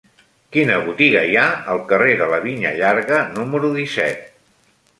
Quina botiga hi ha al carrer de la Vinya Llarga número disset?